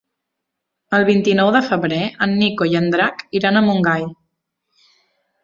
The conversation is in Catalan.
El vint-i-nou de febrer en Nico i en Drac iran a Montgai.